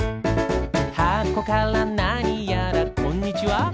こんにちは。